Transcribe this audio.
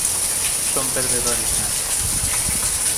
Son perdedores natos.